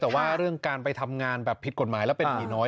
แต่ว่าเรื่องการไปทำงานแบบผิดกฎหมายแล้วเป็นผีน้อย